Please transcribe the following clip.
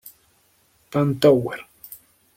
Bank Tower.